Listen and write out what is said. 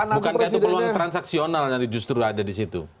bukan itu peluang transaksional yang justru ada disitu